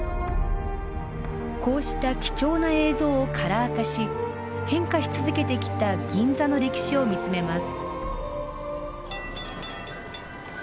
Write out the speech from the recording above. こうした貴重な映像をカラー化し変化し続けてきた銀座の歴史を見つめます。